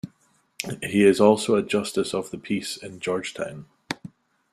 He is also a Justice of the Peace in George Town.